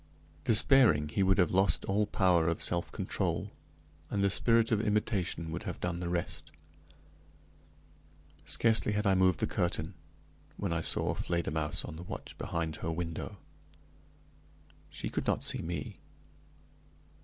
Despairing, he would have lost all power of self control, and the spirit of imitation would have done the rest. Scarcely had I moved the curtain, when I saw Fledermausse on the watch behind her window. She could not see me.